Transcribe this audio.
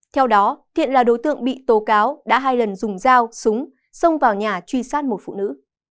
theo đó thiện là đối tượng bị tố cáo đã hai lần dùng dao súng xông vào nhà truy sát một phụ nữ